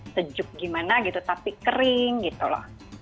sejuk gimana gitu tapi kering gitu loh